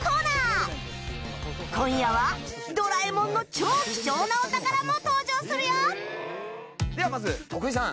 今夜は『ドラえもん』の超貴重なお宝も登場するよではまず徳井さん。